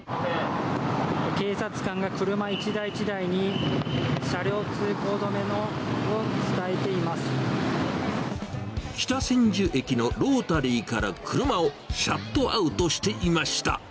警察官が車一台一台に、北千住駅のロータリーから車をシャットアウトしていました。